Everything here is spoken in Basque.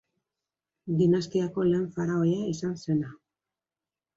Dinastiako lehen faraoia izan zena.